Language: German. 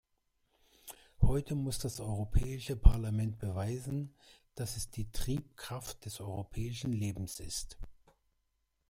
Heute muss das Europäische Parlament beweisen, dass es die Triebkraft des europäischen Lebens ist.